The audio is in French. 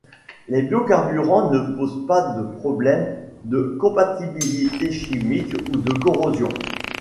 Les bio-carburants ne posent pas de problème de compatibilité chimique ou de corrosion.